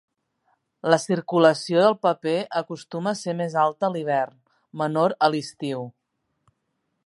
La circulació del paper acostuma a ser més alta a l'hivern, menor a l'estiu.